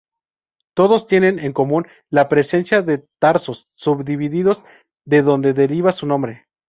Todos tienen en común la presencia de tarsos subdivididos, de donde deriva su nombre.